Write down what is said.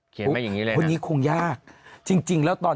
เขียนมาอย่างนี้เลยคงยากจริงจริงแล้วตอน